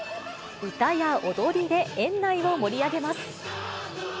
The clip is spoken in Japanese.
歌や踊りで園内を盛り上げます。